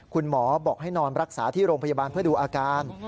คุณหมอบอกให้นอนรักษาที่โรงพยาบาลเพื่อดูอาการ